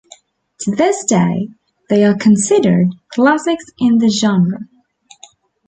To this day, they are considered classics in the genre.